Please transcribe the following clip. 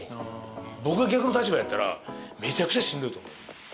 僕が逆の立場やったらめちゃくちゃしんどいと思う。